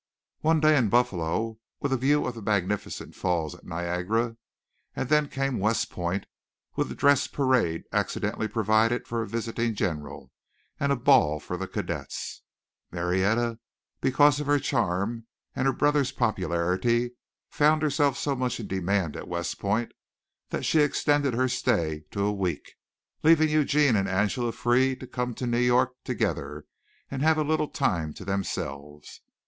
One day in Buffalo, with a view of the magnificent falls at Niagara, and then came West Point with a dress parade accidentally provided for a visiting general and a ball for the cadets. Marietta, because of her charm and her brother's popularity, found herself so much in demand at West Point that she extended her stay to a week, leaving Eugene and Angela free to come to New York together and have a little time to themselves.